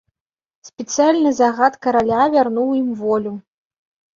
Спецыяльны загад караля вярнуў ім волю.